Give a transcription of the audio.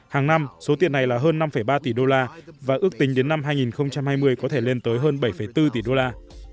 hàng năm số tiền này là hơn năm ba tỷ đô la và ước tính đến năm hai nghìn hai mươi có thể lên tới hơn bảy bốn tỷ đô la